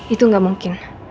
itu gak mungkin